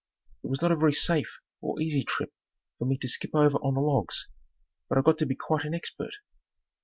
It was not a very safe or easy trip for me to skip over on the logs, but I got to be quite an expert.